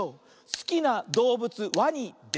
「すきなどうぶつワニです」